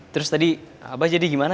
terus tadi abah jadi gimana